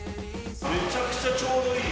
めちゃくちゃちょうどいい。